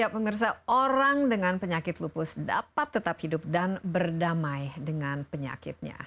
pemirsa orang dengan penyakit lupus dapat tetap hidup dan berdamai dengan penyakitnya